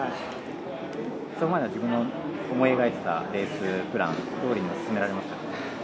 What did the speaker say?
それまで自分の思い描いていたレースプランどおりに進められましたか？